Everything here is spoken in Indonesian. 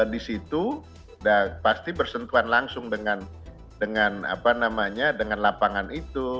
di situ pasti bersentuhan langsung dengan lapangan itu